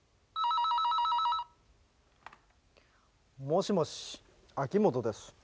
☎もしもし秋元です。